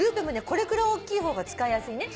これくらい大きい方が使いやすいね。